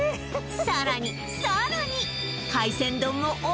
さらにさらに！